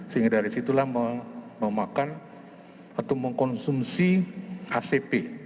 sehingga dari situlah memakan atau mengkonsumsi acp